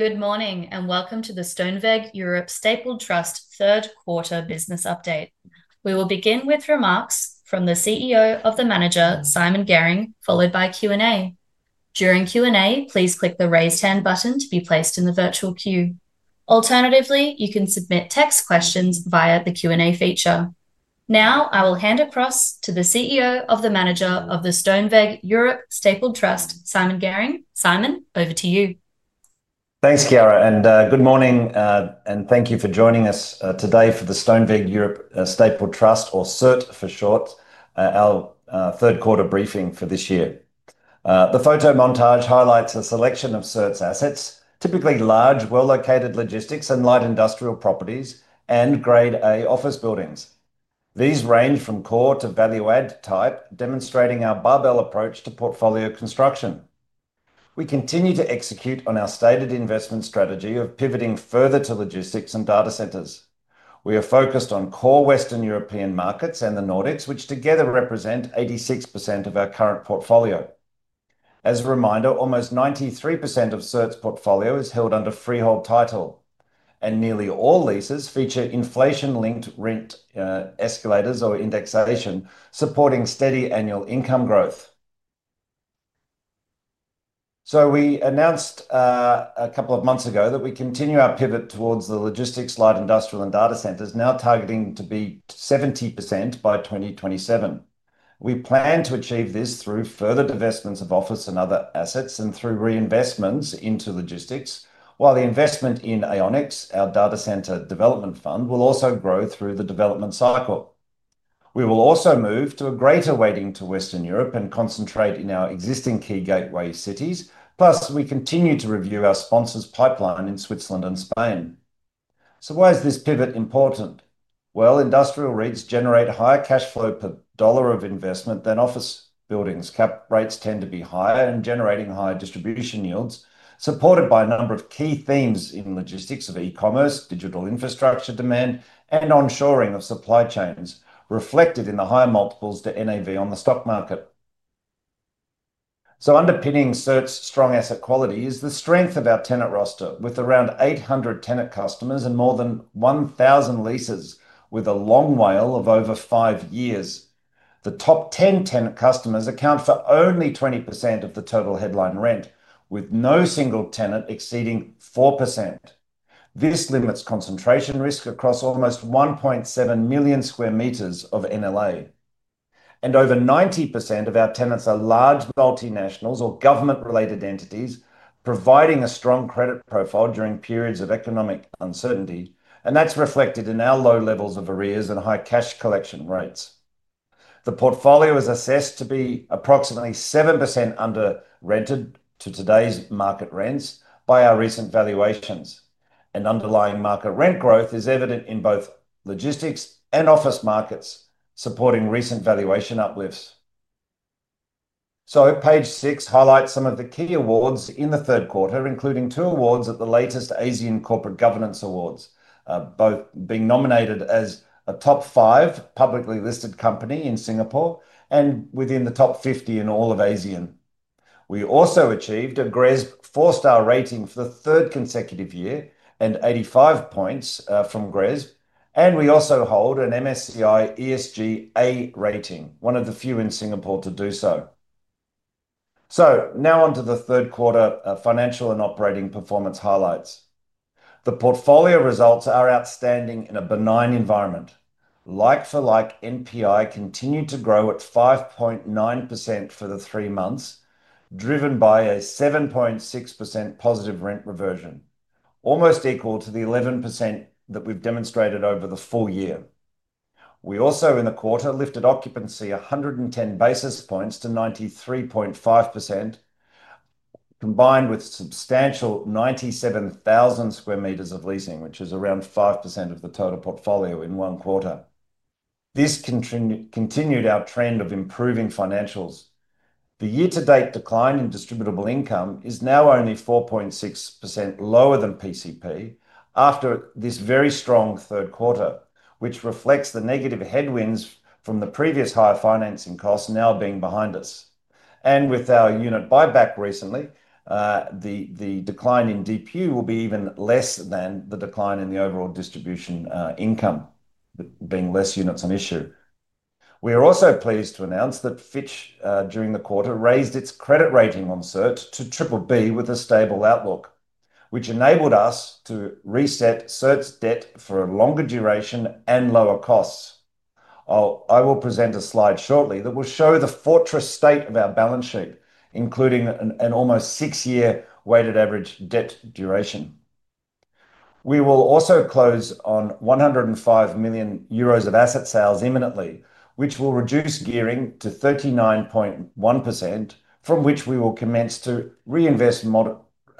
Good morning and welcome to the Stoneweg Europe Stapled Trust third quarter business update. We will begin with remarks from the CEO of the manager, Simon Garing, followed by Q&A. During Q&A, please click the raise hand button to be placed in the virtual queue. Alternatively, you can submit text questions via the Q&A feature. Now I will hand across to the CEO of the manager of the Stoneweg Europe Stapled Trust, Simon Garing. Simon, over to you. Thanks, Chiara, and good morning, and thank you for joining us today for the Stoneweg Europe Stapled Trust, or SERT for short. Our third quarter briefing for this year. The photo montage highlights a selection of SERT's assets, typically large, well-located logistics and light industrial properties and Grade A office buildings. These range from core to value add type, demonstrating our barbell approach to portfolio construction. We continue to execute on our stated investment strategy of pivoting further to logistics and data centers. We are focused on core Western European markets and the Nordics, which together represent 86% of our current portfolio. As a reminder, almost 93% of SERT's portfolio is held under freehold title, and nearly all leases feature inflation-linked rent escalators or indexation supporting steady annual income growth. We announced a couple of months ago that we continue our pivot towards logistics, light industrial, and data centers, now targeting to be 70% by 2027. We plan to achieve this through further divestments of office and other assets and through reinvestments into logistics, while the investment in AiOnX, our data center development fund, will also grow through the development cycle. We will also move to a greater weighting to Western Europe and concentrate in our existing key gateway cities. Plus, we continue to review our sponsors' pipeline in Switzerland and Spain. Why is this pivot important? Industrial REITs generate higher cash flow per dollar of investment than office buildings. Cap rates tend to be higher and generate higher distribution yields, supported by a number of key themes in logistics of e-commerce, digital infrastructure demand, and onshoring of supply chains, reflected in the high multiples to NAV on the stock market. Underpinning SERT's strong asset quality is the strength of our tenant roster, with around 800 tenant customers and more than 1,000 leases, with a long WALE of over five years. The top 10 tenant customers account for only 20% of the total headline rent, with no single tenant exceeding 4%. This limits concentration risk across almost 1.7 million sq m of NLA. Over 90% of our tenants are large multinationals or government-related entities, providing a strong credit profile during periods of economic uncertainty. That is reflected in our low levels of arrears and high cash collection rates. The portfolio is assessed to be approximately 7% under rented to today's market rents by our recent valuations. Underlying market rent growth is evident in both logistics and office markets, supporting recent valuation uplifts. Page six highlights some of the key awards in the third quarter, including two awards at the latest Asian Corporate Governance Awards, both being nominated as a top five publicly listed company in Singapore and within the top 50 in all of Asia. We also achieved a GRESB four-star rating for the third consecutive year and 85 points from GRESB. We also hold an MSCI ESG A rating, one of the few in Singapore to do so. Now onto the third quarter financial and operating performance highlights. The portfolio results are outstanding in a benign environment. Like-for-like NPI continued to grow at 5.9% for the three months, driven by a 7.6% positive rent reversion, almost equal to the 11% that we've demonstrated over the full year. We also, in the quarter, lifted occupancy 110 basis points to 93.5%. Combined with substantial 97,000 sq m of leasing, which is around 5% of the total portfolio in one quarter. This continued our trend of improving financials. The year-to-date decline in distributable income is now only 4.6% lower than PCP after this very strong third quarter, which reflects the negative headwinds from the previous higher financing costs now being behind us. With our unit buyback recently, the decline in DPU will be even less than the decline in the overall distribution income, being less units on issue. We are also pleased to announce that Fitch, during the quarter, raised its credit rating on SERT to BBB with a stable outlook, which enabled us to reset SERT's debt for a longer duration and lower costs. I will present a slide shortly that will show the fortress state of our balance sheet, including an almost six-year weighted average debt duration. We will also close on 105 million euros of asset sales imminently, which will reduce gearing to 39.1%, from which we will commence to reinvest.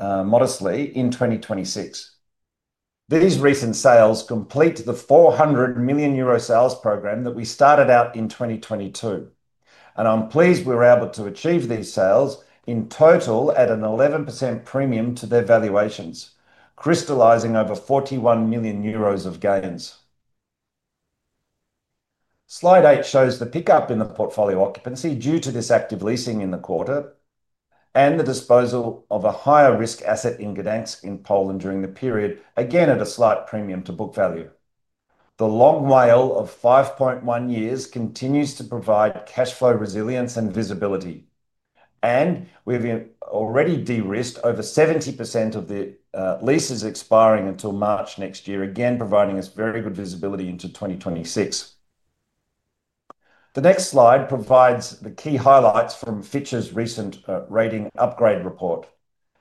Modestly in 2026. These recent sales complete the 400 million euro sales program that we started out in 2022. I am pleased we were able to achieve these sales in total at an 11% premium to their valuations, crystalizing over 41 million euros of gains. Slide eight shows the pickup in the portfolio occupancy due to this active leasing in the quarter and the disposal of a higher risk asset in Gdańsk in Poland during the period, again at a slight premium to book value. The long WALE of 5.1 years continues to provide cash flow resilience and visibility. We have already de-risked over 70% of the leases expiring until March next year, again providing us very good visibility into 2026. The next slide provides the key highlights from Fitch's recent rating upgrade report.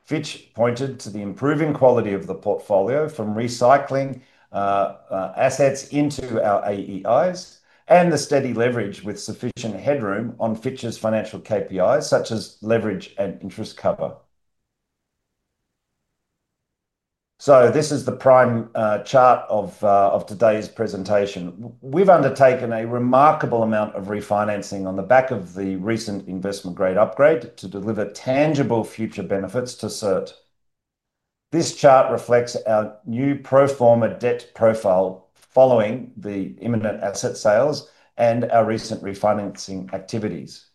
Fitch pointed to the improving quality of the portfolio from recycling assets into our AEIs and the steady leverage with sufficient headroom on Fitch's financial KPIs, such as leverage and interest cover. This is the prime chart of today's presentation. have undertaken a remarkable amount of refinancing on the back of the recent investment grade upgrade to deliver tangible future benefits to SERT. This chart reflects our new pro forma debt profile following the imminent asset sales and our recent refinancing activities.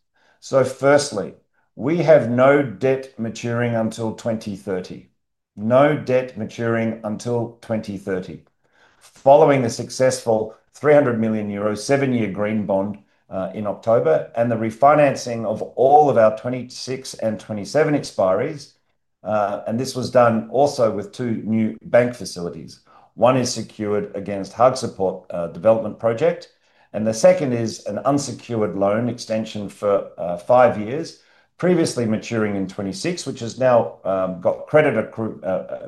Firstly, we have no debt maturing until 2030. No debt maturing until 2030. Following the successful 300 million euro seven-year green bond in October and the refinancing of all of our 2026 and 2027 expiries. This was done also with two new bank facilities. One is secured against HUG Support development project, and the second is an unsecured loan extension for five years, previously maturing in 2026, which has now got credit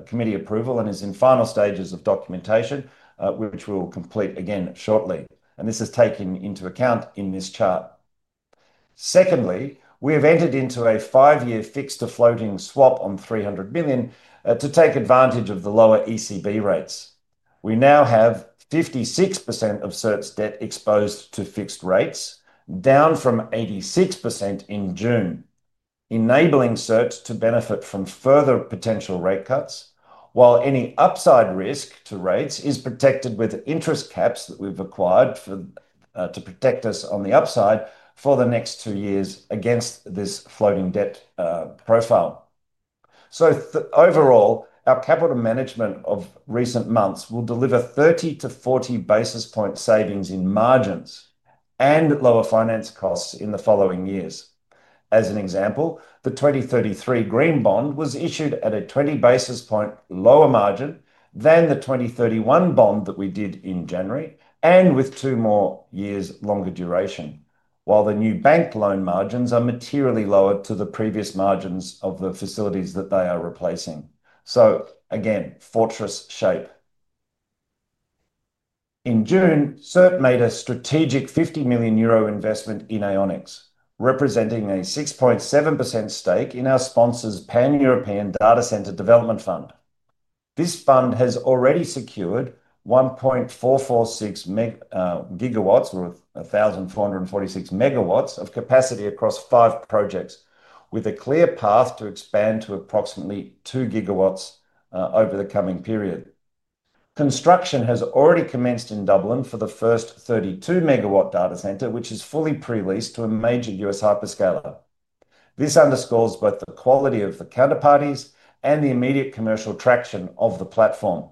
committee approval and is in final stages of documentation, which we will complete again shortly. This is taken into account in this chart. Secondly, we have entered into a five-year fixed to floating swap on 300 million to take advantage of the lower ECB rates. We now have 56% of SERT's debt exposed to fixed rates, down from 86% in June, enabling SERT to benefit from further potential rate cuts, while any upside risk to rates is protected with interest caps that we've acquired. To protect us on the upside for the next two years against this floating debt profile. Overall, our capital management of recent months will deliver 30-40 basis point savings in margins and lower finance costs in the following years. As an example, the 2033 green bond was issued at a 20 basis point lower margin than the 2031 bond that we did in January, and with two more years longer duration, while the new bank loan margins are materially lower to the previous margins of the facilities that they are replacing. Again, fortress shape. In June, SERT made a strategic 50 million euro investment in AiOnX, representing a 6.7% stake in our sponsor's Pan-European Data Center Development Fund. This fund has already secured 1.446 GW or 1,446 MW of capacity across five projects, with a clear path to expand to approximately two gigawatts over the coming period. Construction has already commenced in Dublin for the first 32 MW data center, which is fully pre-leased to a major U.S. hyperscaler. This underscores both the quality of the counterparties and the immediate commercial traction of the platform.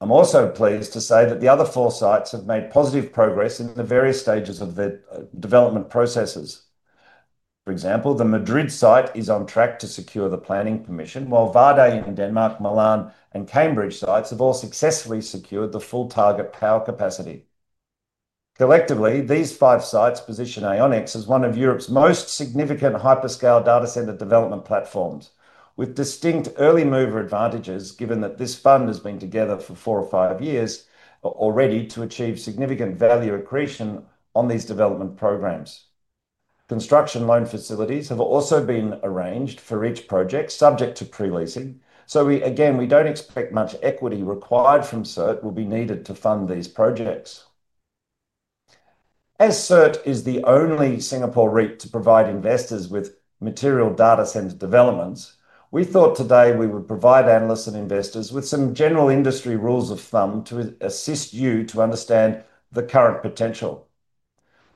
I'm also pleased to say that the other four sites have made positive progress in the various stages of the development processes. For example, the Madrid site is on track to secure the planning permission, while Varde in Denmark, Milan, and Cambridge sites have all successfully secured the full target power capacity. Collectively, these five sites position AiOnX as one of Europe's most significant hyperscale data center development platforms, with distinct early mover advantages, given that this fund has been together for four or five years already to achieve significant value accretion on these development programs. Construction loan facilities have also been arranged for each project, subject to pre-leasing. We do not expect much equity required from SERT will be needed to fund these projects. As SERT is the only Singapore REIT to provide investors with material data center developments, we thought today we would provide analysts and investors with some general industry rules of thumb to assist you to understand the current potential.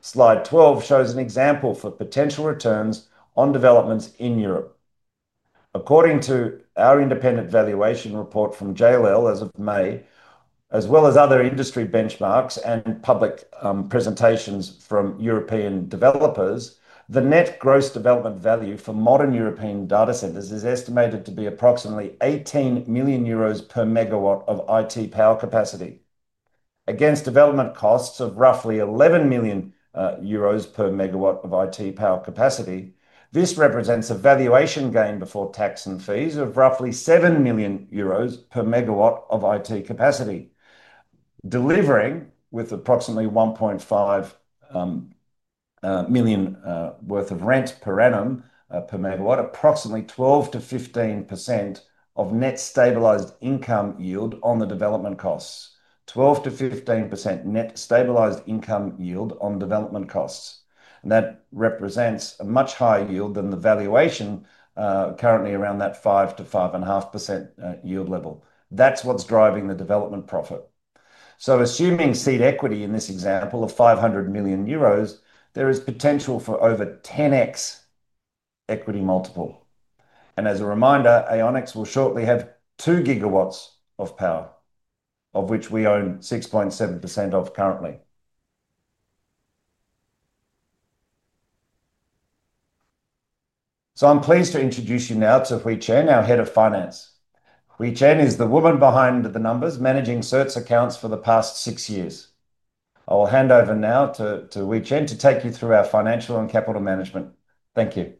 Slide 12 shows an example for potential returns on developments in Europe. According to our independent valuation report from JLL as of May, as well as other industry benchmarks and public presentations from European developers, the net gross development value for modern European data centers is estimated to be approximately 18 million euros per megawatt of IT power capacity. Against development costs of roughly 11 million euros per megawatt of IT power capacity, this represents a valuation gain before tax and fees of roughly 7 million euros per megawatt of IT capacity. Delivering with approximately 1.5 million worth of rent per annum per megawatt, approximately 12%-15% of net stabilized income yield on the development costs, 12%-15% net stabilized income yield on development costs. That represents a much higher yield than the valuation currently around that 5%-5.5% yield level. That is what is driving the development profit. Assuming seed equity in this example of 500 million euros, there is potential for over 10x equity multiple. As a reminder, AiOnX will shortly have two gigawatts of power, of which we own 6.7% currently. I am pleased to introduce you now to Hui Chen, our Head of Finance. Hui Chen is the woman behind the numbers, managing SERT's accounts for the past six years. I will hand over now to Hui Chen to take you through our financial and capital management. Thank you.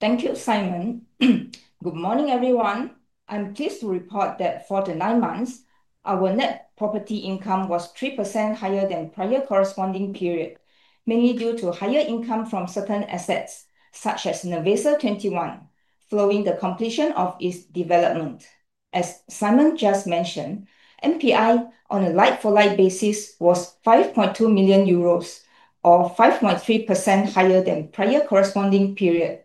Thank you, Simon. Good morning, everyone. I'm pleased to report that for the nine months, our net property income was 3% higher than the prior corresponding period, mainly due to higher income from certain assets, such as Nervesa 21, following the completion of its development. As Simon just mentioned, NPI on a like-for-like basis was 5.2 million euros, or 5.3% higher than the prior corresponding period,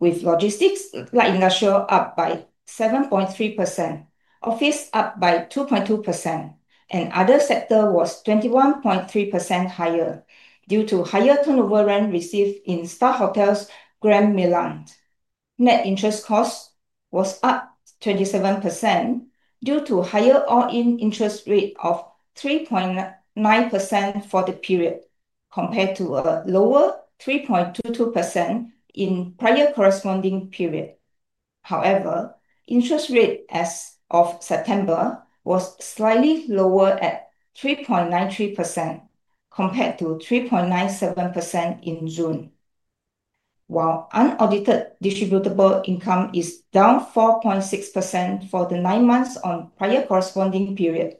with logistics like industrial up by 7.3%, office up by 2.2%, and other sector was 21.3% higher due to higher turnover rent received in Starhotels Grand Milan. Net interest cost was up 27% due to a higher all-in interest rate of 3.9% for the period, compared to a lower 3.22% in the prior corresponding period. However, the interest rate as of September was slightly lower at 3.93% compared to 3.97% in June. While unaudited distributable income is down 4.6% for the nine months on the prior corresponding period.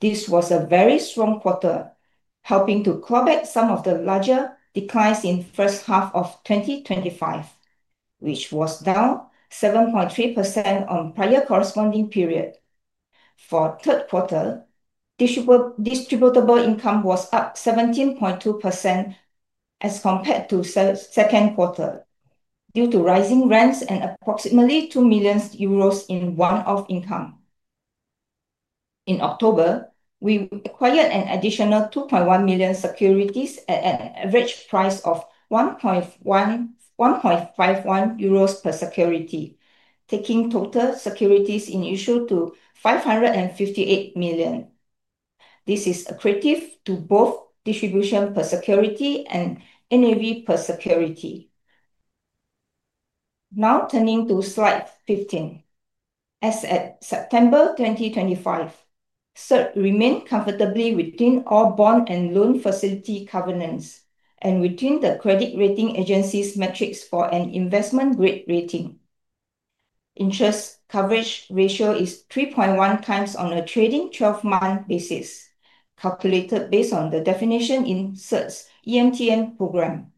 This was a very strong quarter, helping to claw back some of the larger declines in the first half of 2025, which was down 7.3% on the prior corresponding period. For the third quarter, distributable income was up 17.2% as compared to the second quarter, due to rising rents and approximately 2 million euros in one-off income. In October, we acquired an additional 2.1 million securities at an average price of 1.51 euros per security, taking total securities in issue to 558 million. This is accretive to both distribution per security and NAV per security. Now turning to slide 15. As at September 2025, SERT remained comfortably within all bond and loan facility covenants and within the credit rating agency's metrics for an investment grade rating. Interest coverage ratio is 3.1x on a trailing 12-month basis, calculated based on the definition in SERT's EMTN program.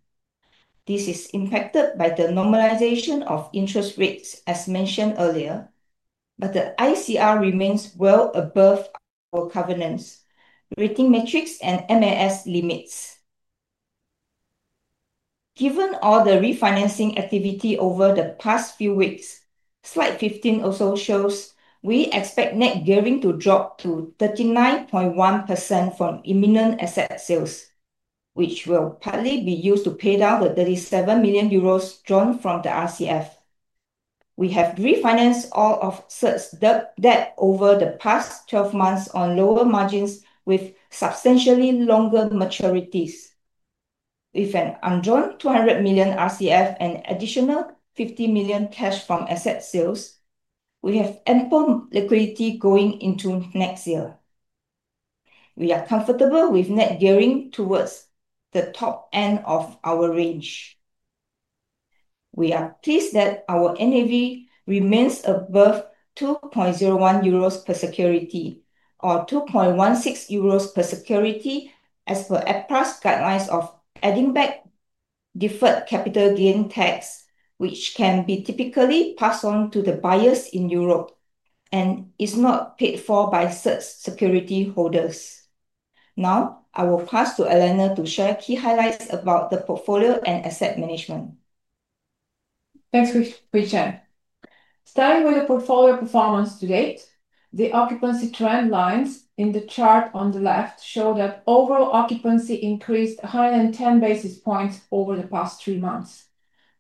This is impacted by the normalization of interest rates, as mentioned earlier, but the ICR remains well above our covenants, rating metrics, and MAS limits. Given all the refinancing activity over the past few weeks, slide 15 also shows we expect net gearing to drop to 39.1% from imminent asset sales, which will partly be used to pay down the 37 million euros drawn from the RCF. We have refinanced all of SERT's debt over the past 12 months on lower margins with substantially longer maturities. With an undrawn 200 million RCF and an additional 50 million cash from asset sales, we have ample liquidity going into next year. We are comfortable with net gearing towards the top end of our range. We are pleased that our NAV remains above 2.01 euros per security, or 2.16 euros per security as per APRA's guidelines of adding back. Deferred capital gain tax, which can be typically passed on to the buyers in Europe and is not paid for by SERT's security holders. Now I will pass to Elena to share key highlights about the portfolio and asset management. Thanks, Hui Chen. Starting with the portfolio performance to date, the occupancy trend lines in the chart on the left show that overall occupancy increased 110 basis points over the past three months.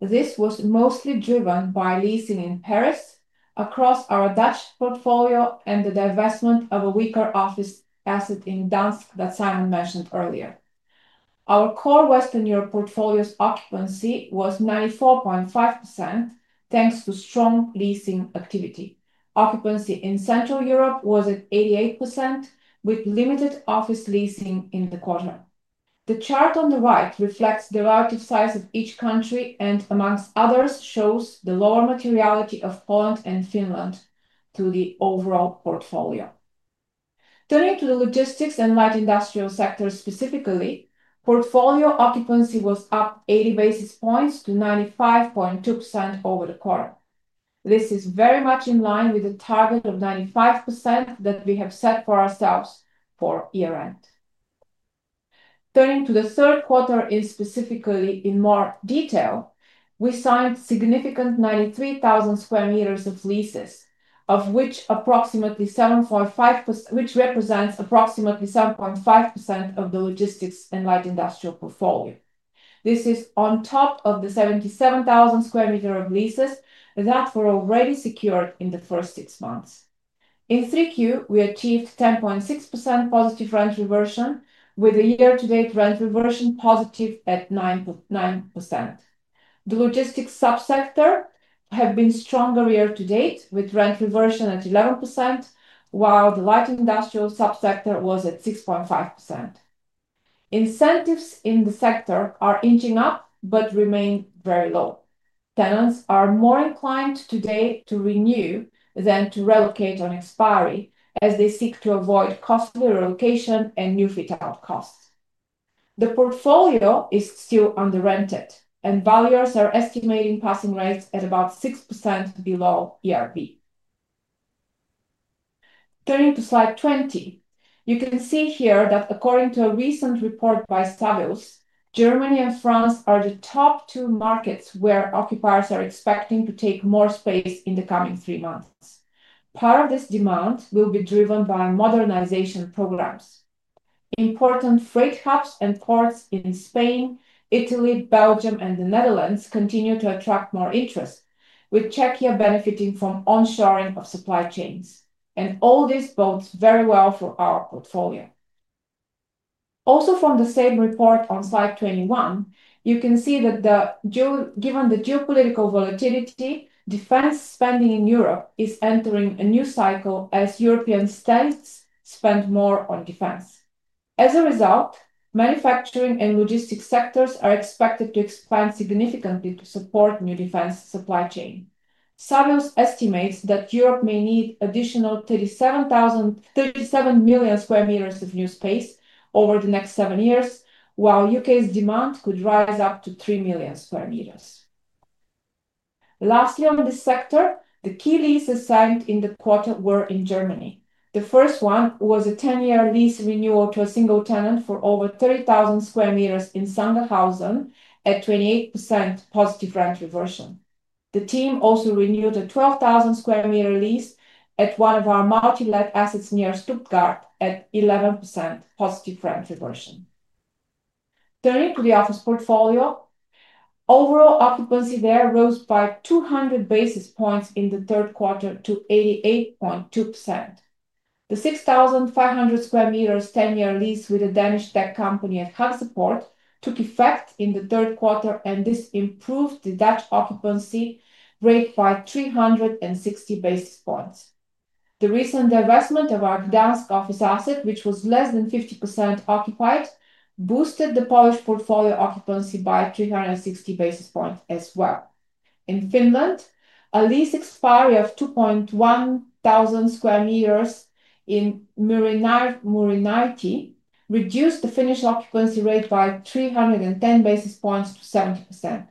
This was mostly driven by leasing in Paris, across our Dutch portfolio, and the divestment of a weaker office asset in Gdańsk that Simon mentioned earlier. Our core Western Europe portfolio's occupancy was 94.5%, thanks to strong leasing activity. Occupancy in Central Europe was at 88%, with limited office leasing in the quarter. The chart on the right reflects the relative size of each country and, amongst others, shows the lower materiality of Poland and Finland to the overall portfolio. Turning to the logistics and light industrial sector specifically, portfolio occupancy was up 80 basis points to 95.2% over the quarter. This is very much in line with the target of 95% that we have set for ourselves for year-end. Turning to the third quarter specifically in more detail, we signed significant 93,000 sq m of leases, of which approximately 7.5%, which represents approximately 7.5% of the logistics and light industrial portfolio. This is on top of the 77,000 sq m of leases that were already secured in the first six months. In 3Q, we achieved 10.6% positive rent reversion, with the year-to-date rent reversion positive at 9%. The logistics subsector has been stronger year-to-date, with rent reversion at 11%, while the light industrial subsector was at 6.5%. Incentives in the sector are inching up but remain very low. Tenants are more inclined today to renew than to relocate on expiry, as they seek to avoid costly relocation and new fit-out costs. The portfolio is still under-rented, and valuers are estimating passing rates at about 6% below ERV. Turning to slide 20, you can see here that according to a recent report by Savills, Germany and France are the top two markets where occupiers are expecting to take more space in the coming three months. Part of this demand will be driven by modernization programs. Important freight hubs and ports in Spain, Italy, Belgium, and the Netherlands continue to attract more interest, with Czechia benefiting from onshoring of supply chains. All this bodes very well for our portfolio. Also, from the same report on slide 21, you can see that given the geopolitical volatility, defense spending in Europe is entering a new cycle as European states spend more on defense. As a result, manufacturing and logistics sectors are expected to expand significantly to support new defense supply chain. Savills estimates that Europe may need an additional 37 million sq m of new space over the next seven years, while the U.K.'s demand could rise up to 3 million sq m. Lastly, on this sector, the key leases signed in the quarter were in Germany. The first one was a 10-year lease renewal to a single tenant for over 30,000 sq m in Sangerhausen at 28% positive rent reversion. The team also renewed a 12,000 sq m lease at one of our multi-let assets near Stuttgart at 11% positive rent reversion. Turning to the office portfolio. Overall occupancy there rose by 200 basis points in the third quarter to 88.2%. The 6,500 sq m 10-year lease with a Danish tech company at HUG Support took effect in the third quarter, and this improved the Dutch occupancy rate by 360 basis points. The recent divestment of our Gdańsk office asset, which was less than 50% occupied, boosted the Polish portfolio occupancy by 360 basis points as well. In Finland, a lease expiry of 2,100 sq m in Murinaitie reduced the Finnish occupancy rate by 310 basis points to 70%.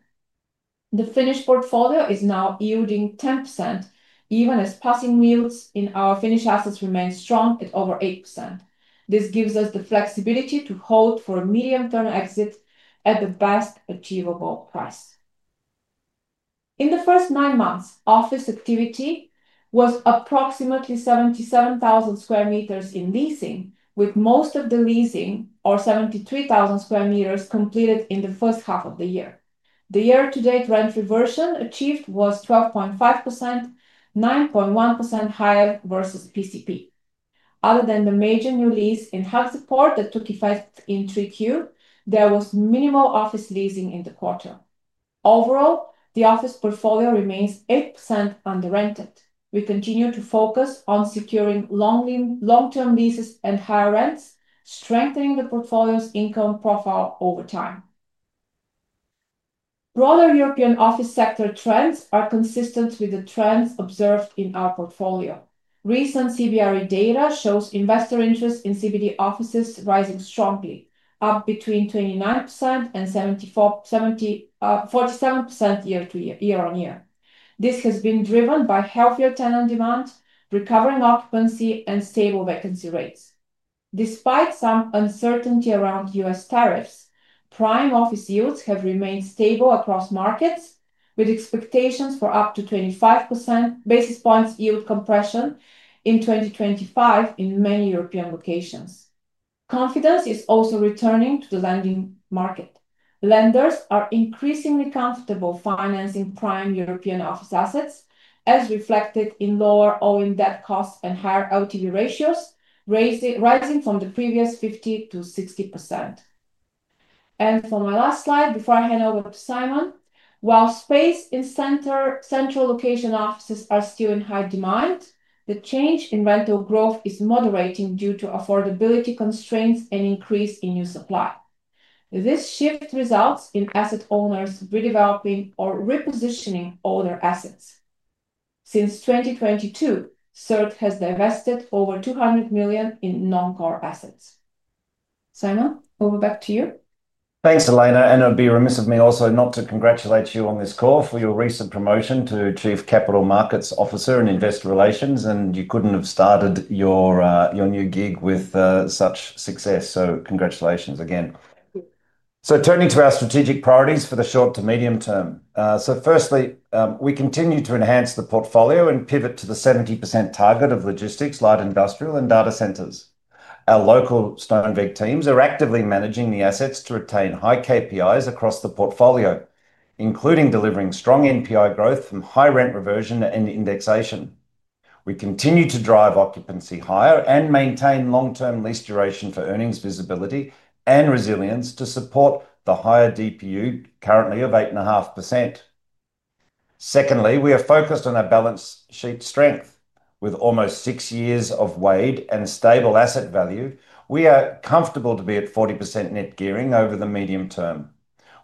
The Finnish portfolio is now yielding 10%, even as passing yields in our Finnish assets remain strong at over 8%. This gives us the flexibility to hold for a medium-term exit at the best achievable price. In the first nine months, office activity was approximately 77,000 sq m in leasing, with most of the leasing, or 73,000 sq m, completed in the first half of the year. The year-to-date rent reversion achieved was 12.5%, 9.1% higher versus PCP. Other than the major new lease in HUG Support that took effect in 3Q, there was minimal office leasing in the quarter. Overall, the office portfolio remains 8% under-rented. We continue to focus on securing long-term leases and higher rents, strengthening the portfolio's income profile over time. Broader European office sector trends are consistent with the trends observed in our portfolio. Recent CBRE data shows investor interest in CBD offices rising strongly, up between 29%-47% year-to-year. This has been driven by healthier tenant demand, recovering occupancy, and stable vacancy rates. Despite some uncertainty around U.S. tariffs, prime office yields have remained stable across markets, with expectations for up to 25 basis points yield compression in 2025 in many European locations. Confidence is also returning to the lending market. Lenders are increasingly comfortable financing prime European office assets, as reflected in lower ongoing debt costs and higher LTV ratios, rising from the previous 50%-60%. For my last slide, before I hand over to Simon, while space in central location offices is still in high demand, the change in rental growth is moderating due to affordability constraints and an increase in new supply. This shift results in asset owners redeveloping or repositioning older assets. Since 2022, SERT has divested over 200 million in non-core assets. Simon, over back to you. Thanks, Elena. I'd be remiss also not to congratulate you on this call for your recent promotion to Chief Capital Markets Officer in Investor Relations. You couldn't have started your new gig with such success. Congratulations again. Thank you. Turning to our strategic priorities for the short to medium term. Firstly, we continue to enhance the portfolio and pivot to the 70% target of logistics, light industrial, and data centers. Our local Stoneweg teams are actively managing the assets to retain high KPIs across the portfolio, including delivering strong NPI growth from high rent reversion and indexation. We continue to drive occupancy higher and maintain long-term lease duration for earnings visibility and resilience to support the higher DPU currently of 8.5%. Secondly, we are focused on our balance sheet strength. With almost six years of WAID and stable asset value, we are comfortable to be at 40% net gearing over the medium term.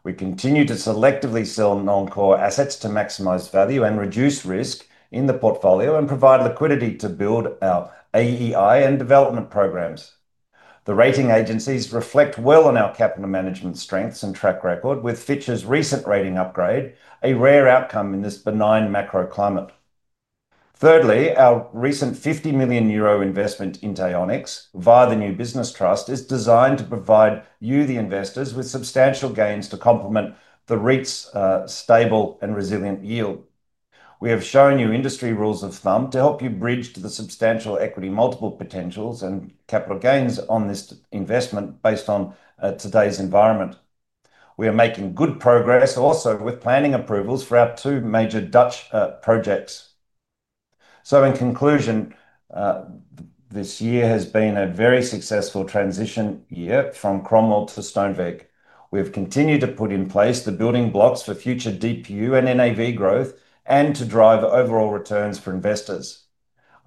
We continue to selectively sell non-core assets to maximize value and reduce risk in the portfolio and provide liquidity to build our AEI and development programs. The rating agencies reflect well on our capital management strengths and track record, with Fitch's recent rating upgrade a rare outcome in this benign macro climate. Thirdly, our recent 50 million euro investment in AiOnX via the new business trust is designed to provide you, the investors, with substantial gains to complement the REIT's stable and resilient yield. We have shown you industry rules of thumb to help you bridge to the substantial equity multiple potentials and capital gains on this investment based on today's environment. We are making good progress also with planning approvals for our two major Dutch projects. In conclusion, this year has been a very successful transition year from Cromwell to Stoneweg. We have continued to put in place the building blocks for future DPU and NAV growth and to drive overall returns for investors.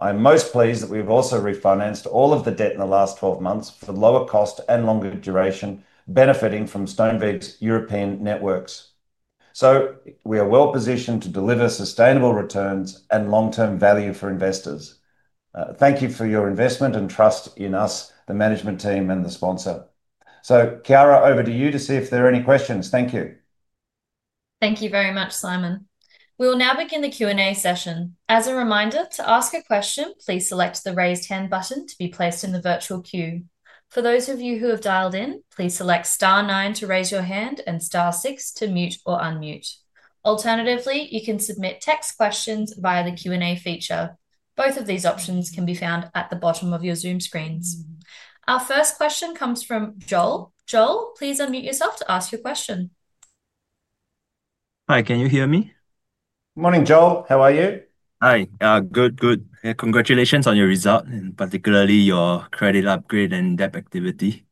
I am most pleased that we have also refinanced all of the debt in the last 12 months for lower cost and longer duration, benefiting from Stoneweg's European networks. We are well positioned to deliver sustainable returns and long-term value for investors. Thank you for your investment and trust in us, the management team, and the sponsor. Chiara, over to you to see if there are any questions. Thank you. Thank you very much, Simon. We will now begin the Q&A session. As a reminder, to ask a question, please select the raise hand button to be placed in the virtual queue. For those of you who have dialed in, please select star nine to raise your hand and star six to mute or unmute. Alternatively, you can submit text questions via the Q&A feature. Both of these options can be found at the bottom of your Zoom screens. Our first question comes from Joel. Joel, please unmute yourself to ask your question. Hi, can you hear me? Good morning, Joel. How are you? Hi. Good, good. Congratulations on your result, and particularly your credit upgrade and debt activity.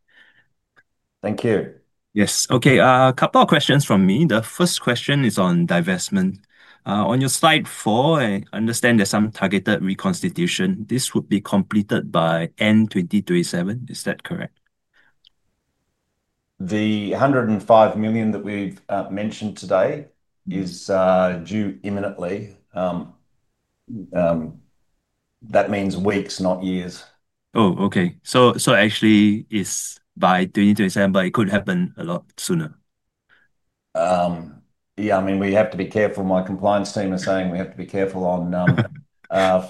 Thank you. Yes. Okay. A couple of questions from me. The first question is on divestment. On your slide four, I understand there's some targeted reconstitution. This would be completed by end 2027. Is that correct? The 105 million that we've mentioned today is due imminently. That means weeks, not years. Oh, okay. Actually, it's by 2027, but it could happen a lot sooner. Yeah, I mean, we have to be careful. My compliance team is saying we have to be careful on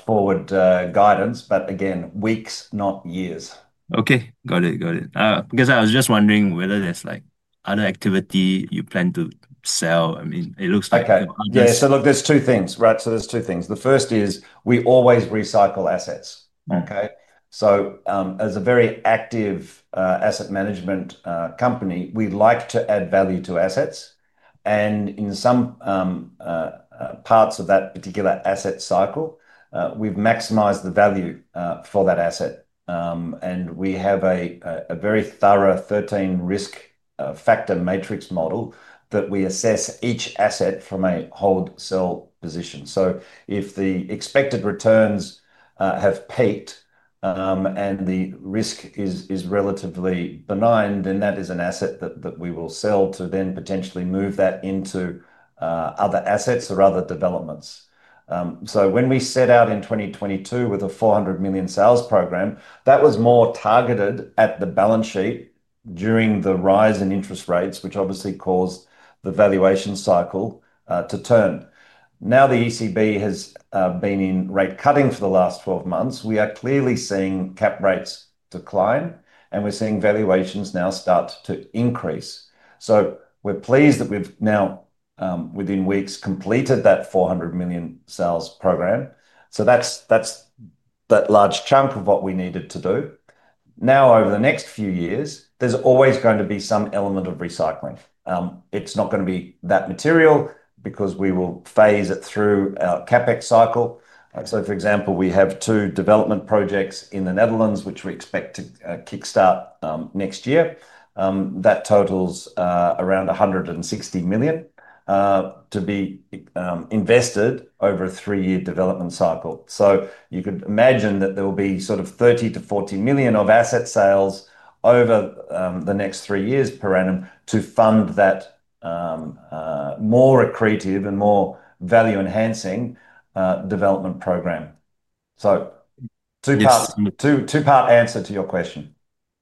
forward guidance. Again, weeks, not years. Okay. Got it, got it. I was just wondering whether there's other activity you plan to sell. I mean, it looks like. Okay. Yeah. Look, there's two things, right? There's two things. The first is we always recycle assets. As a very active asset management company, we like to add value to assets. In some parts of that particular asset cycle, we've maximized the value for that asset. We have a very thorough 13 risk factor matrix model that we assess each asset from a hold-sell position. If the expected returns have peaked. The risk is relatively benign, then that is an asset that we will sell to then potentially move that into other assets or other developments. When we set out in 2022 with a 400 million sales program, that was more targeted at the balance sheet during the rise in interest rates, which obviously caused the valuation cycle to turn. Now the ECB has been in rate cutting for the last 12 months. We are clearly seeing cap rates decline, and we're seeing valuations now start to increase. We're pleased that we've now, within weeks, completed that 400 million sales program. That is that large chunk of what we needed to do. Over the next few years, there's always going to be some element of recycling. It's not going to be that material because we will phase it through our CapEx cycle. For example, we have two development projects in the Netherlands, which we expect to kickstart next year. That totals around 160 million to be invested over a three-year development cycle. You could imagine that there will be sort of 30 million-40 million of asset sales over the next three years per annum to fund that. More accretive and more value-enhancing development program. Two-part answer to your question.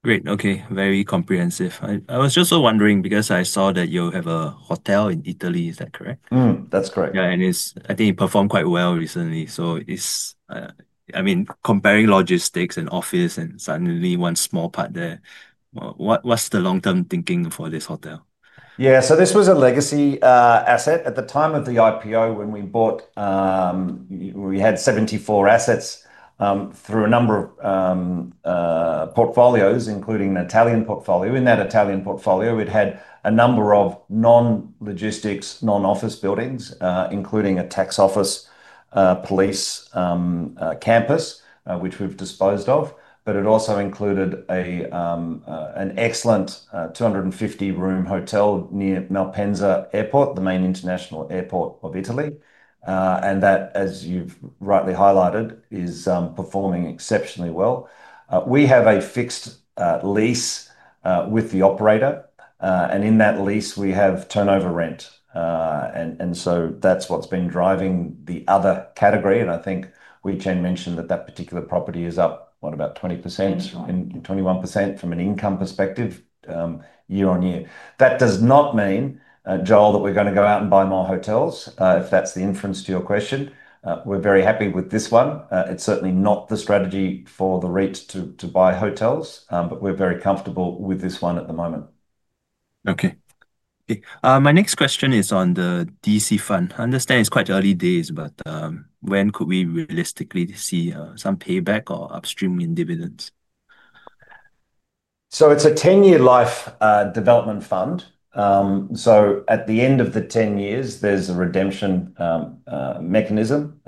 Great. Okay. Very comprehensive. I was just wondering because I saw that you have a hotel in Italy. Is that correct? That's correct. Yeah. I think it performed quite well recently. It's, I mean, comparing logistics and office and suddenly one small part there. What's the long-term thinking for this hotel? Yeah. This was a legacy asset at the time of the IPO when we bought. We had 74 assets through a number of portfolios, including an Italian portfolio. In that Italian portfolio, it had a number of non-logistics, non-office buildings, including a tax office, police, campus, which we've disposed of. It also included an excellent 250 room hotel near Malpensa Airport, the main international airport of Italy. That, as you've rightly highlighted, is performing exceptionally well. We have a fixed lease with the operator, and in that lease, we have turnover rent. That is what's been driving the other category. I think Hui Chen mentioned that that particular property is up, what, about 20%-21% from an income perspective year on year. That does not mean, Joel, that we're going to go out and buy more hotels, if that's the inference to your question. We're very happy with this one. It's certainly not the strategy for the REIT to buy hotels, but we're very comfortable with this one at the moment. Okay. My next question is on the DC fund. I understand it's quite early days, but when could we realistically see some payback or upstream in dividends? So it's a 10-year life development fund. At the end of the 10 years, there's a redemption mechanism.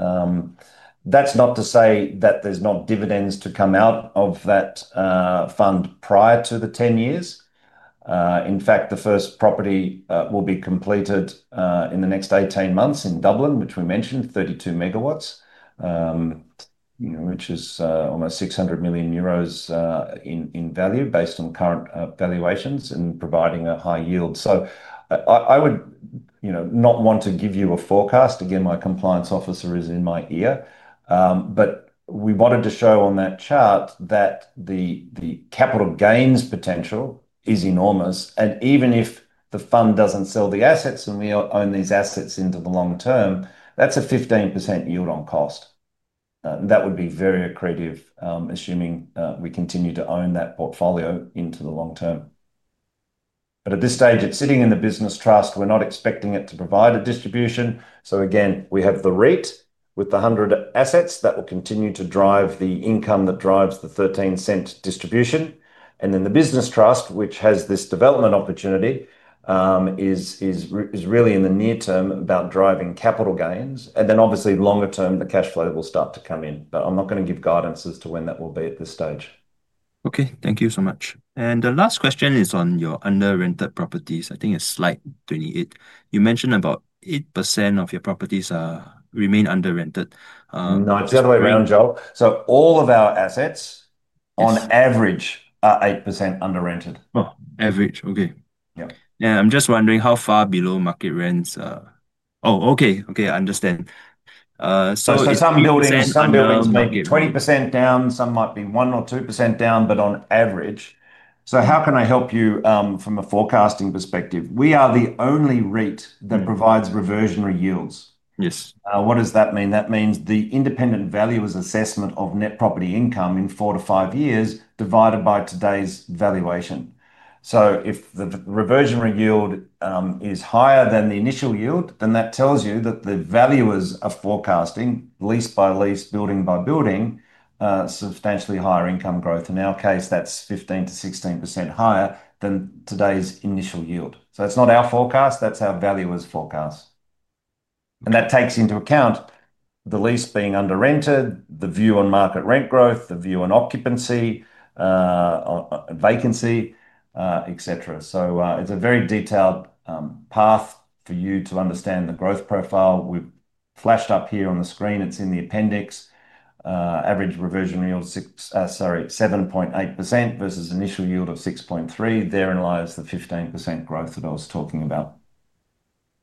That's not to say that there's not dividends to come out of that fund prior to the 10 years. In fact, the first property will be completed in the next 18 months in Dublin, which we mentioned, 32 MW, which is almost 600 million euros in value based on current valuations and providing a high yield. I would not want to give you a forecast. Again, my compliance officer is in my ear. We wanted to show on that chart that the capital gains potential is enormous. Even if the fund does not sell the assets and we own these assets into the long term, that is a 15% yield on cost. That would be very accretive, assuming we continue to own that portfolio into the long term. At this stage, it is sitting in the business trust. We are not expecting it to provide a distribution. Again, we have the REIT with the 100 assets that will continue to drive the income that drives the 0.13 distribution. The business trust, which has this development opportunity, is really in the near term about driving capital gains. Obviously, longer term, the cash flow will start to come in. I am not going to give guidance as to when that will be at this stage. Okay. Thank you so much. The last question is on your under-rented properties. I think it's slide 28. You mentioned about 8% of your properties remain under-rented. No, it's the other way around, Joel. All of our assets, on average, are 8% under-rented. Average. Okay. Yeah. I'm just wondering how far below market rents. Oh, okay. Okay. I understand. Some buildings, 20% down, some might be 1% or 2% down, but on average. How can I help you from a forecasting perspective? We are the only REIT that provides reversionary yields. Yes. What does that mean? That means the independent valuer's assessment of net property income in four to five years divided by today's valuation. If the reversionary yield is higher than the initial yield, then that tells you that the valuer is forecasting, lease by lease, building by building, substantially higher income growth. In our case, that's 15%-16% higher than today's initial yield. It's not our forecast. That's our value as forecast. That takes into account the lease being under-rented, the view on market rent growth, the view on occupancy, vacancy, etc. It's a very detailed path for you to understand the growth profile. We've flashed up here on the screen. It's in the appendix. Average reversionary yield, sorry, 7.8% versus initial yield of 6.3%. Therein lies the 15% growth that I was talking about.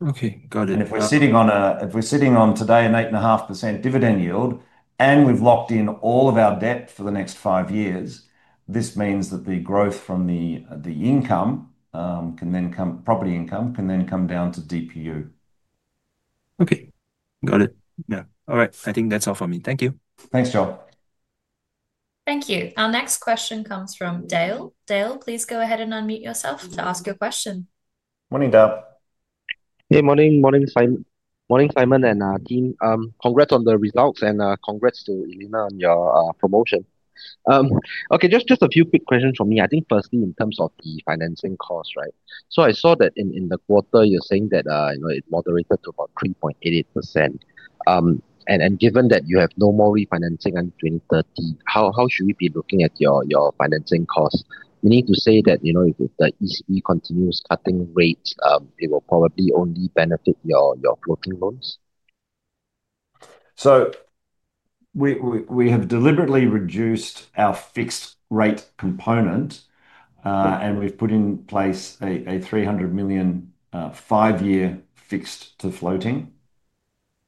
Okay. Got it. If we're sitting on a, if we're sitting on today an 8.5% dividend yield, and we've locked in all of our debt for the next five years, this means that the growth from the income can then come, property income can then come down to DPU. Okay. Got it. Yeah. All right. I think that's all for me. Thank you. Thanks, Joel. Thank you. Our next question comes from Dale. Dale, please go ahead and unmute yourself to ask your question. Morning, Dale. Yeah, morning. Morning, Simon. Morning, Simon and team. Congrats on the results and congrats to Elena on your promotion. Okay, just a few quick questions for me. I think firstly, in terms of the financing cost, right? I saw that in the quarter, you're saying that it moderated to about 3.88%. Given that you have no more refinancing until 2030, how should we be looking at your financing costs? You mean to say that if the ECB continues cutting rates, it will probably only benefit your floating loans. We have deliberately reduced our fixed rate component. We have put in place a 300 million five-year fixed to floating.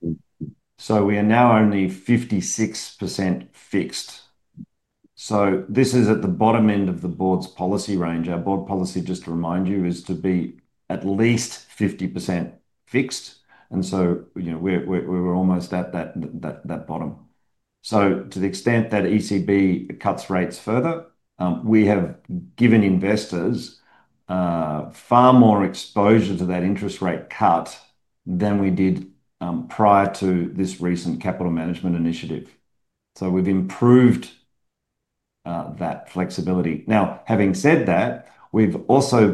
We are now only 56% fixed. This is at the bottom end of the board's policy range. Our board policy, just to remind you, is to be at least 50% fixed. We were almost at that bottom. To the extent that ECB cuts rates further, we have given investors far more exposure to that interest rate cut than we did prior to this recent capital management initiative. We have improved that flexibility. Now, having said that, we have also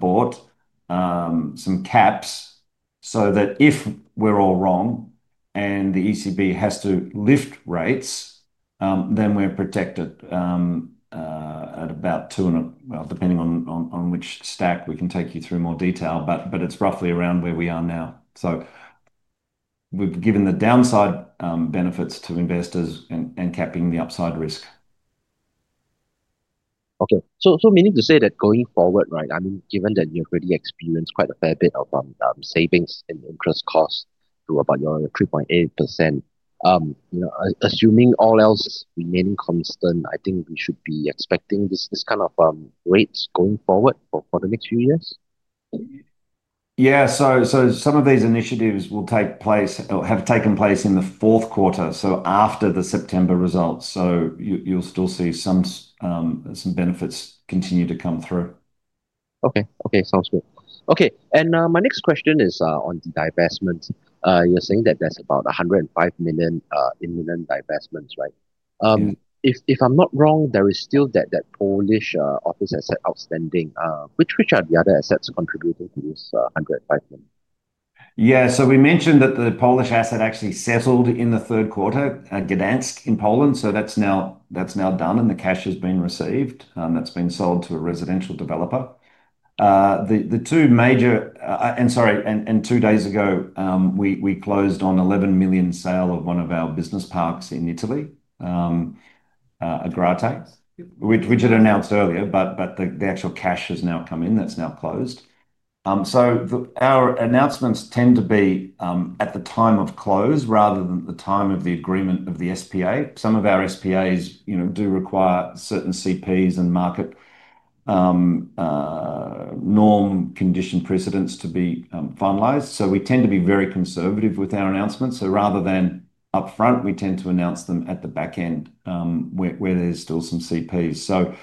bought some caps so that if we are all wrong and the ECB has to lift rates, then we are protected at about two and, well, depending on which stack, we can take you through more detail, but it is roughly around where we are now. We have given the downside benefits to investors and capping the upside risk. Okay. Meaning to say that going forward, right, I mean, given that you've already experienced quite a fair bit of savings in interest costs to about 3.8%. Assuming all else remaining constant, I think we should be expecting this kind of rates going forward for the next few years. Yeah. Some of these initiatives will take place or have taken place in the fourth quarter, so after the September results. You'll still see some benefits continue to come through. Okay. Okay. Sounds good. Okay. My next question is on the divestment. You're saying that there's about 105 million in land divestments, right? If I'm not wrong, there is still that Polish office asset outstanding. Which are the other assets contributing to this 105 million? Yeah. We mentioned that the Polish asset actually settled in the third quarter, Gdańsk in Poland. That's now done, and the cash has been received. That's been sold to a residential developer. The two major, and sorry, and two days ago, we closed on 11 million sale of one of our business parks in Italy. A great, which had announced earlier, but the actual cash has now come in. That's now closed. Our announcements tend to be at the time of close rather than the time of the agreement of the SPA. Some of our SPAs do require certain CPs and market norm condition precedents to be finalized. We tend to be very conservative with our announcements. Rather than upfront, we tend to announce them at the back end where there's still some CPs.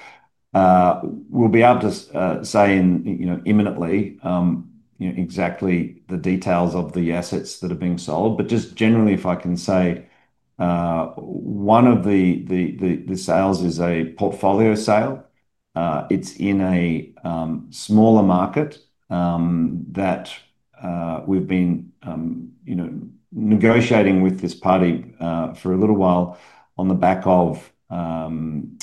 We'll be able to say imminently exactly the details of the assets that are being sold. Just generally, if I can say, one of the sales is a portfolio sale. It's in a smaller market that we've been negotiating with this party for a little while on the back of some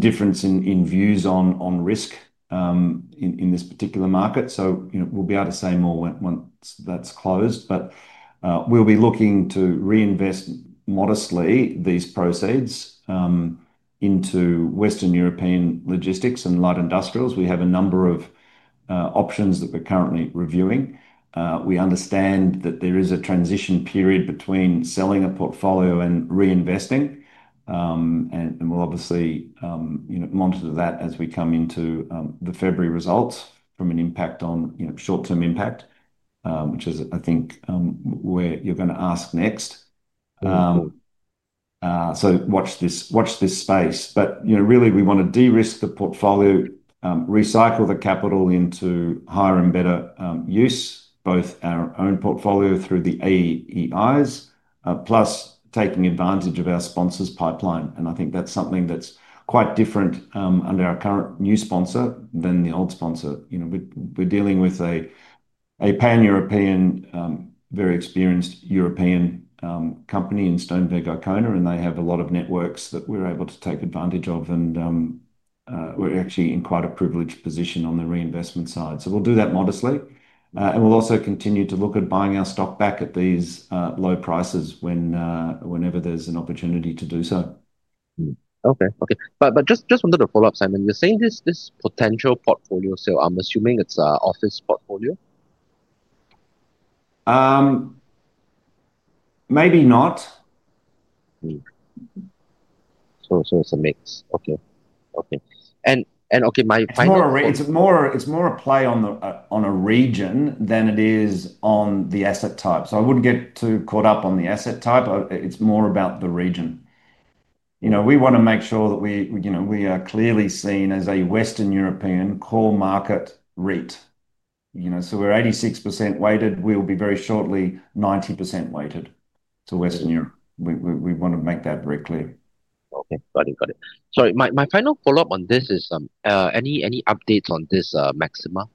difference in views on risk in this particular market. We will be able to say more once that's closed. We will be looking to reinvest modestly these proceeds into Western European logistics and light industrials. We have a number of options that we're currently reviewing. We understand that there is a transition period between selling a portfolio and reinvesting. We will obviously monitor that as we come into the February results from an impact on short-term impact, which is, I think, where you're going to ask next. Watch this space. We want to de-risk the portfolio, recycle the capital into higher and better use, both our own portfolio through the AEIs, plus taking advantage of our sponsors' pipeline. I think that's something that's quite different under our current new sponsor than the old sponsor. We're dealing with a Pan-European, very experienced European company in Stoneweg, Okona, and they have a lot of networks that we're able to take advantage of. We're actually in quite a privileged position on the reinvestment side. We'll do that modestly. We'll also continue to look at buying our stock back at these low prices whenever there's an opportunity to do so. Okay. Okay. Just one little follow-up, Simon. You're saying this potential portfolio sale, I'm assuming it's an office portfolio? Maybe not. It's a mix. Okay. Okay. My final. It's more a play on a region than it is on the asset type. I wouldn't get too caught up on the asset type. It's more about the region. We want to make sure that we are clearly seen as a Western European core market REIT. So we're 86% weighted. We'll be very shortly 90% weighted to Western Europe. We want to make that very clear. Okay. Got it. Got it. So my final follow-up on this is any updates on this maximum?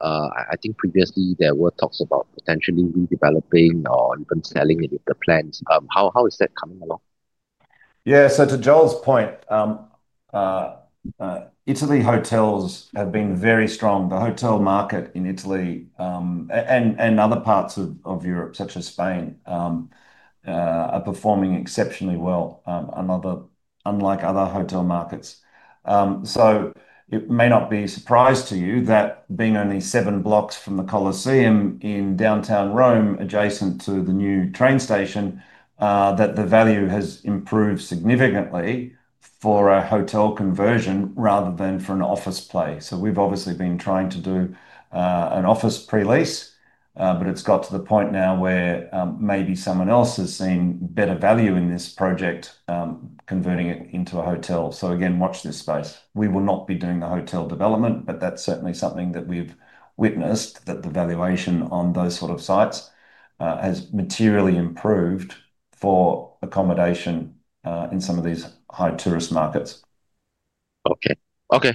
I think previously there were talks about potentially redeveloping or even selling the plans. How is that coming along? Yeah. So to Joel's point. Italy hotels have been very strong. The hotel market in Italy. And other parts of Europe, such as Spain. Are performing exceptionally well, unlike other hotel markets. It may not be a surprise to you that being only seven blocks from the Colosseum in downtown Rome, adjacent to the new train station, that the value has improved significantly for a hotel conversion rather than for an office play. We've obviously been trying to do an office pre-lease, but it's got to the point now where maybe someone else has seen better value in this project, converting it into a hotel. Again, watch this space. We will not be doing the hotel development, but that's certainly something that we've witnessed, that the valuation on those sort of sites has materially improved for accommodation in some of these high tourist markets. Okay.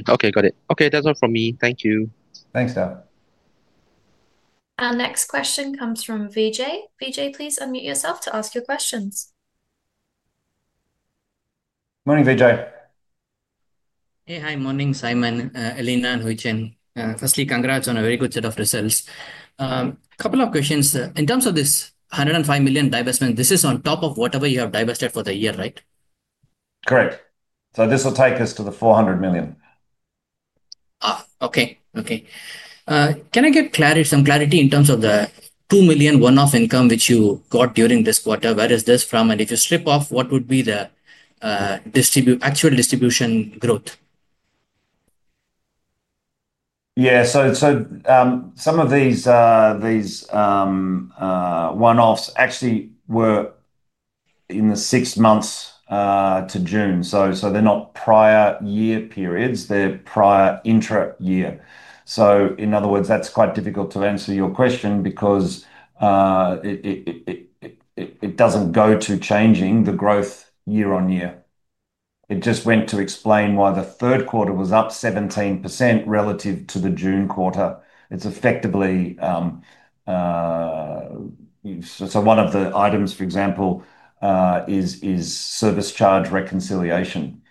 Got it. That's all from me. Thank you. Thanks, Dale. Our next question comes from VJ. VJ, please unmute yourself to ask your questions. Morning, VJ. Hey, hi. Morning, Simon, Elena, and Hui Chen. Firstly, congrats on a very good set of results. A couple of questions. In terms of this 105 million divestment, this is on top of whatever you have divested for the year, right? Correct. This will take us to the 400 million. Okay. Okay. Can I get some clarity in terms of the 2 million one-off income which you got during this quarter? Where is this from? If you strip off, what would be the actual distribution growth? Yeah. Some of these one-offs actually were in the six months to June, so they're not prior year periods, they're prior intra-year. In other words, that's quite difficult to answer your question because it does not go to changing the growth year on year. It just went to explain why the third quarter was up 17% relative to the June quarter. It's effectively—so one of the items, for example, is service charge reconciliation.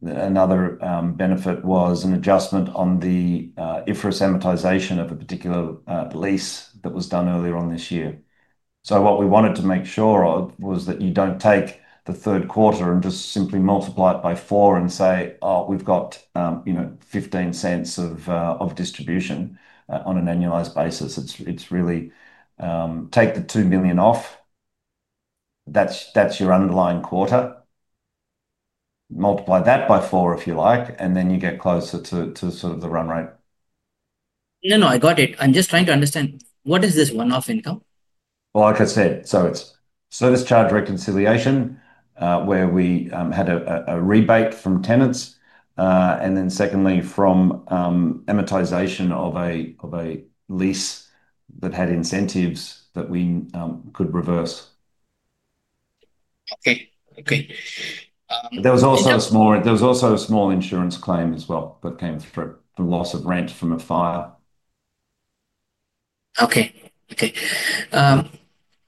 Another benefit was an adjustment on the IFRS amortization of a particular lease that was done earlier on this year. What we wanted to make sure of was that you do not take the third quarter and just simply multiply it by four and say, "Oh, we have 0.15 of distribution on an annualized basis." It is really, take the 2 million off, that is your underlying quarter. Multiply that by four, if you like, and then you get closer to sort of the run rate. No, I got it. I am just trying to understand what is this one-off income. Like I said, it is service charge reconciliation, where we had a rebate from tenants. And then secondly, from amortization of a lease that had incentives that we could reverse. Okay. There was also a small insurance claim as well that came through from loss of rent from a fire. Okay.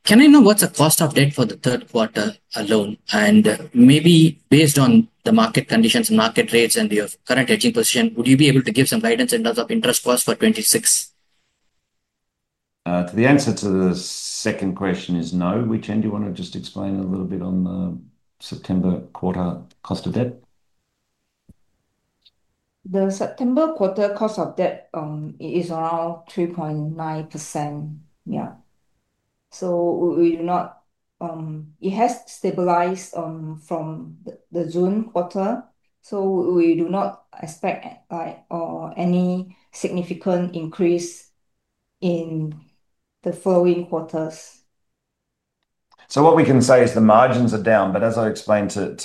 Can I know what's the cost of debt for the third quarter alone? And maybe based on the market conditions, market rates, and your current hedging position, would you be able to give some guidance in terms of interest cost for 2026? The answer to the second question is no. Which end do you want to just explain a little bit on the September quarter cost of debt? The September quarter cost of debt is around 3.9%. Yeah. It has stabilized from the June quarter. We do not expect any significant increase in the following quarters. What we can say is the margins are down. As I explained to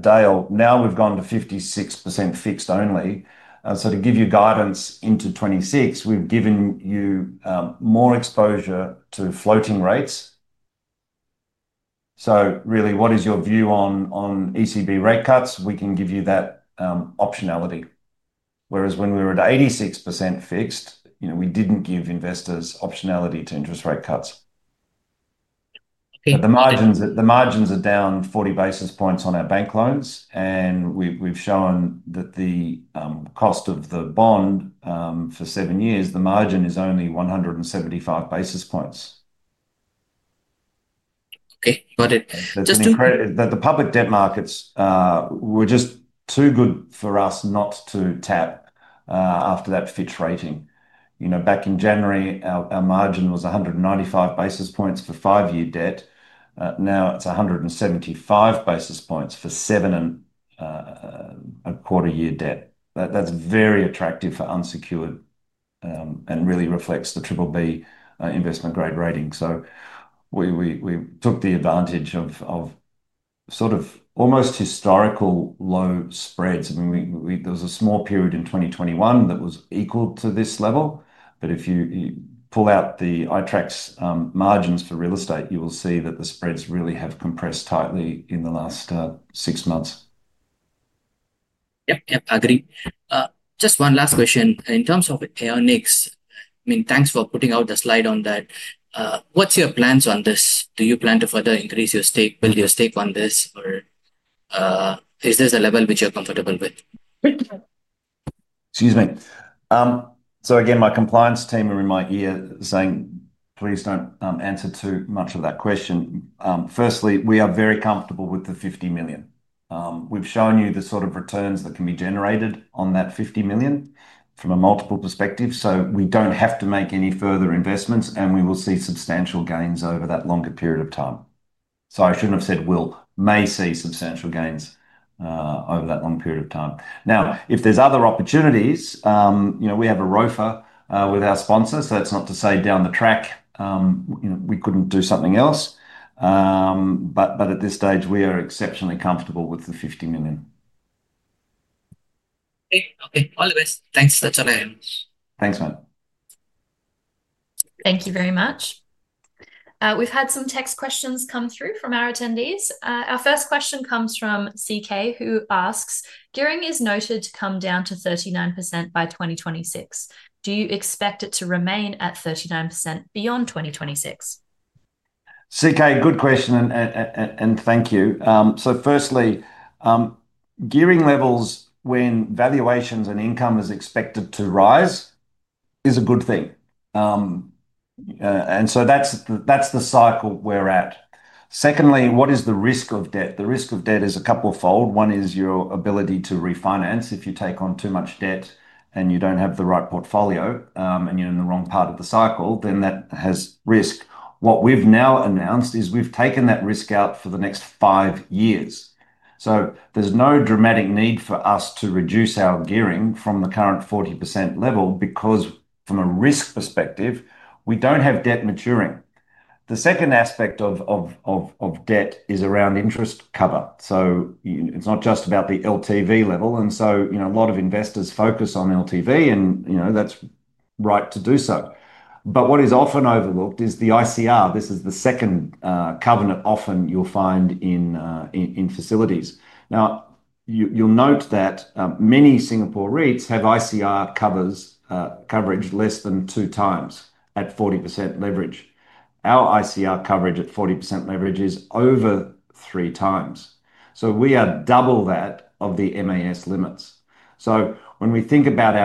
Dale, now we've gone to 56% fixed only. To give you guidance into 2026, we've given you more exposure to floating rates. Really, what is your view on ECB rate cuts? We can give you that optionality. Whereas when we were at 86% fixed, we did not give investors optionality to interest rate cuts. The margins are down 40 basis points on our bank loans. And we have shown that the cost of the bond for seven years, the margin is only 175 basis points. Okay. Got it. That is a good. The public debt markets were just too good for us not to tap. After that Fitch rating. Back in January, our margin was 195 basis points for five-year debt. Now it is 175 basis points for seven and a quarter-year debt. That is very attractive for unsecured. And really reflects the BBB investment-grade rating. We took the advantage of sort of almost historical low spreads. I mean, there was a small period in 2021 that was equal to this level. If you pull out the ITRAC's margins for real estate, you will see that the spreads really have compressed tightly in the last six months. Yep. Yep. Agree. Just one last question. In terms of AiOnX, I mean, thanks for putting out the slide on that. What's your plans on this? Do you plan to further increase your stake, build your stake on this, or is this a level which you're comfortable with? Excuse me. Again, my compliance team are in my ear saying, "Please do not answer too much of that question." Firstly, we are very comfortable with the 50 million. We have shown you the sort of returns that can be generated on that 50 million from a multiple perspective. We do not have to make any further investments, and we will see substantial gains over that longer period of time. I should not have said we will may see substantial gains over that long period of time. Now, if there are other opportunities, we have a ROFO with our sponsor. That is not to say down the track we could not do something else. At this stage, we are exceptionally comfortable with the 50 million. Okay. Okay. All the best. Thanks. That is all I have. Thanks, Matt. Thank you very much. We have had some text questions come through from our attendees. Our first question comes from CK, who asks, "Gearing is noted to come down to 39% by 2026. Do you expect it to remain at 39% beyond 2026?" CK, good question, and thank you. Firstly, gearing levels when valuations and income are expected to rise is a good thing. That is the cycle we are at. Secondly, what is the risk of debt? The risk of debt is a couple-fold. One is your ability to refinance. If you take on too much debt and you do not have the right portfolio and you are in the wrong part of the cycle, then that has risk. What we have now announced is we have taken that risk out for the next five years. There is no dramatic need for us to reduce our gearing from the current 40% level because from a risk perspective, we do not have debt maturing. The second aspect of debt is around interest cover. It is not just about the LTV level. A lot of investors focus on LTV, and that is right to do so. What is often overlooked is the ICR. This is the second covenant often you will find in facilities. You will note that many Singapore REITs have ICR coverage less than two times at 40% leverage. Our ICR coverage at 40% leverage is over three times. We are double that of the MAS limits. When we think about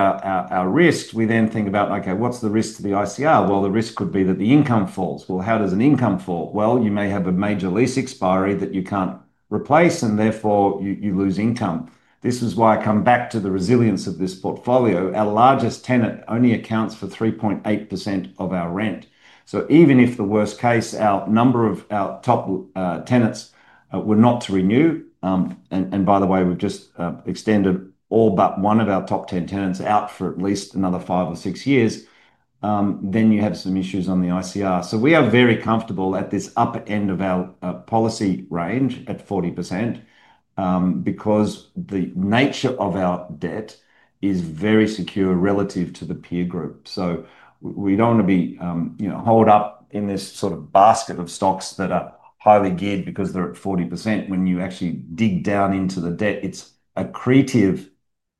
our risk, we then think about, okay, what's the risk to the ICR? The risk could be that the income falls. How does an income fall? You may have a major lease expiry that you can't replace, and therefore you lose income. This is why I come back to the resilience of this portfolio. Our largest tenant only accounts for 3.8% of our rent. Even if the worst case, a number of our top tenants were not to renew. By the way, we've just extended all but one of our top 10 tenants out for at least another five or six years, then you have some issues on the ICR. We are very comfortable at this upper end of our policy range at 40%. Because the nature of our debt is very secure relative to the peer group. We do not want to be held up in this sort of basket of stocks that are highly geared because they are at 40%. When you actually dig down into the debt, it is accretive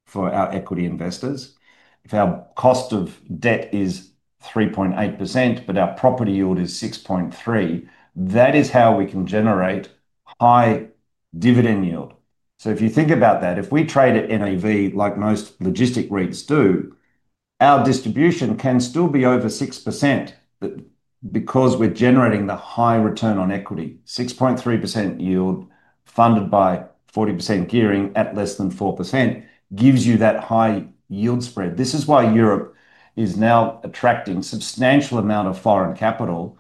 for our equity investors. If our cost of debt is 3.8%, but our property yield is 6.3%, that is how we can generate high dividend yield. If you think about that, if we trade at NAV, like most logistic REITs do, our distribution can still be over 6%. Because we are generating the high return on equity. 6.3% yield funded by 40% gearing at less than 4% gives you that high yield spread. This is why Europe is now attracting a substantial amount of foreign capital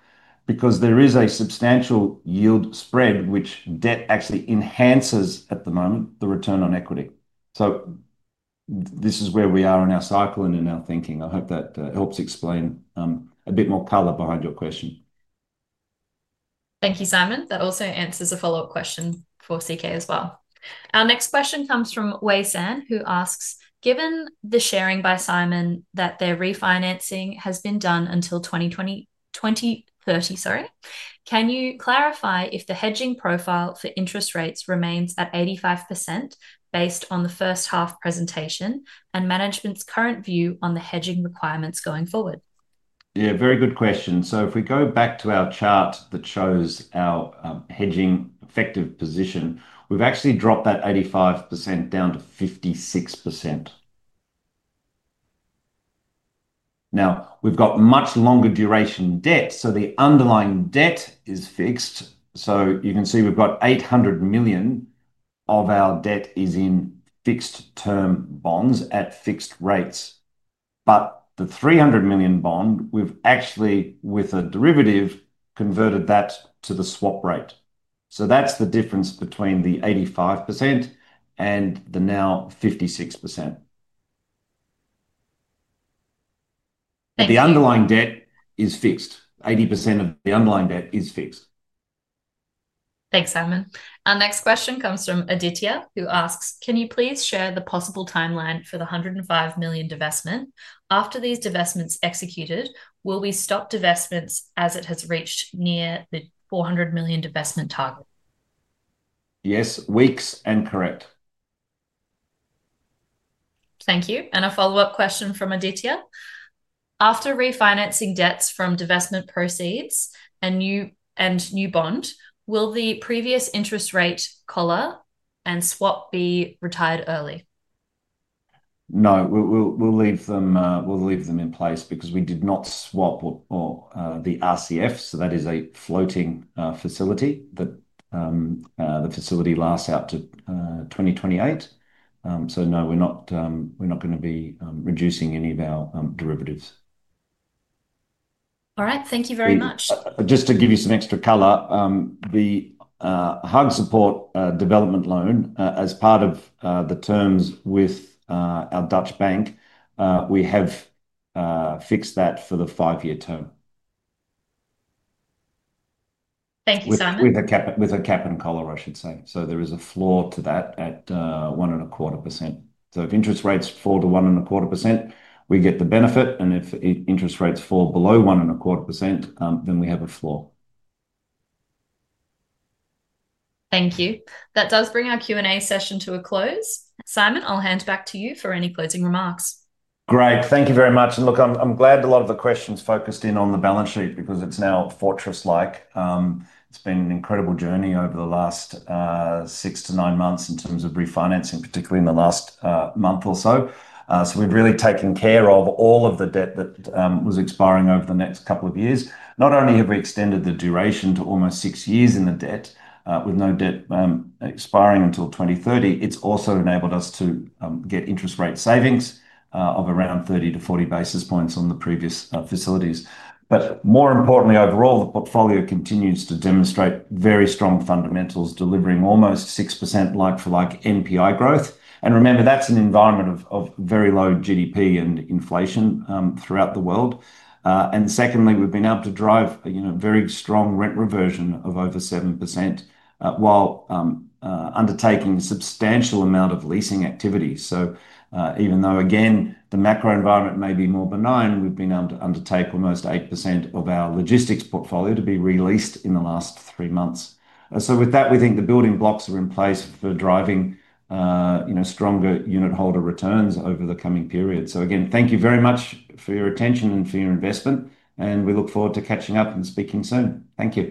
because there is a substantial yield spread which debt actually enhances at the moment the return on equity. This is where we are in our cycle and in our thinking. I hope that helps explain a bit more color behind your question. Thank you, Simon. That also answers a follow-up question for CK as well. Our next question comes from Wei San, who asks, "Given the sharing by Simon that their refinancing has been done until 2030, sorry, can you clarify if the hedging profile for interest rates remains at 85% based on the first half presentation and management's current view on the hedging requirements going forward?" Yeah, very good question. If we go back to our chart that shows our hedging effective position, we have actually dropped that 85% down to 56%. Now, we've got much longer duration debt. The underlying debt is fixed. You can see we've got 800 million of our debt in fixed-term bonds at fixed rates. The 300 million bond, we've actually, with a derivative, converted that to the swap rate. That's the difference between the 85% and the now 56%. The underlying debt is fixed. 80% of the underlying debt is fixed. Thanks, Simon. Our next question comes from Aditya, who asks, "Can you please share the possible timeline for the 105 million divestment? After these divestments executed, will we stop divestments as it has reached near the 400 million divestment target?" Yes. Weeks and correct. Thank you. A follow-up question from Aditya. After refinancing debts from divestment proceeds and new bond, will the previous interest rate collar and swap be retired early? No, we'll leave them. In place because we did not swap the RCF. That is a floating facility that lasts out to 2028. No, we are not going to be reducing any of our derivatives. All right. Thank you very much. Just to give you some extra color. The HUG Support development loan, as part of the terms with our Dutch bank, we have fixed that for the five-year term. Thank you, Simon. With a cap and collar, I should say. There is a floor to that at 1.25%. If interest rates fall to 1.25%, we get the benefit. If interest rates fall below 1.25%, then we have a floor. Thank you. That does bring our Q&A session to a close. Simon, I will hand back to you for any closing remarks. Great. Thank you very much. Look, I'm glad a lot of the questions focused in on the balance sheet because it's now fortress-like. It's been an incredible journey over the last six to nine months in terms of refinancing, particularly in the last month or so. We've really taken care of all of the debt that was expiring over the next couple of years. Not only have we extended the duration to almost six years in the debt with no debt expiring until 2030, it's also enabled us to get interest rate savings of around 30-40 basis points on the previous facilities. More importantly, overall, the portfolio continues to demonstrate very strong fundamentals, delivering almost 6% like-for-like NPI growth. Remember, that's an environment of very low GDP and inflation throughout the world. Secondly, we've been able to drive a very strong rent reversion of over 7% while. Undertaking a substantial amount of leasing activity. Even though, again, the macro environment may be more benign, we have been able to undertake almost 8% of our logistics portfolio to be released in the last three months. With that, we think the building blocks are in place for driving stronger unit holder returns over the coming period. Again, thank you very much for your attention and for your investment. We look forward to catching up and speaking soon. Thank you.